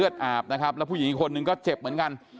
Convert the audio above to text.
เป็นระบบนะครับแล้วผู้หญิงคนนึงก็เจ็บเหมือนกัน